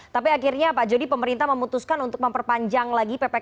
tapi akhirnya pak jody pemerintah memutuskan untuk memperpanjang lagi ppkm